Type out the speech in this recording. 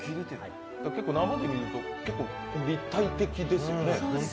生で見ると結構立体的ですね。